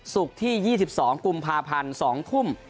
ที่๒๒กุมภาพันธ์๒ทุ่ม